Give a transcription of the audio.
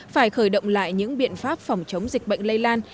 phải khởi động lại những biện pháp phòng chống dịch bệnh lây lan